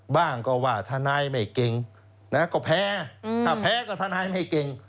บ้างก็ว่าทนายไม่เก่งนะก็แพ้ถ้าแพ้ก็ทนายไม่เก่ง